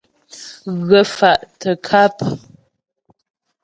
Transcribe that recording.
Ghə̀ fà' tə ŋkâp.